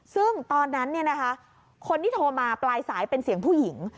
ซึ่งตอนนั้นคนที่โทรมาปลายสายเป็นเสียงผู้หญิง